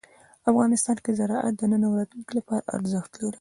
افغانستان کې زراعت د نن او راتلونکي لپاره ارزښت لري.